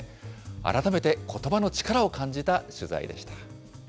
改めてことばの力を感じた取材でした。